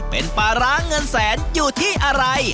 เป็นปลาร้าเงินแสนอยู่ที่อะไร